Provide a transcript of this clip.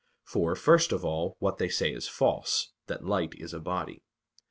For, first of all, what they say is false that light is a body.